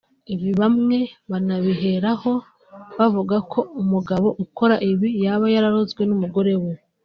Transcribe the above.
Ibi bamwe banabiheraho bavuga ko umugabo ukora ibi yaba yararozwe n’umugore we